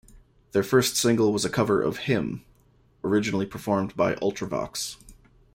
Their first single was a cover of "Hymn", originally performed by Ultravox.